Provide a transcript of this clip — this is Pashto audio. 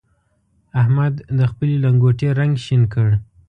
احمد د خپلې لنګوټې رنګ شين کړ.